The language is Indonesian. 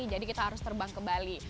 jadi kita harus terbang ke bali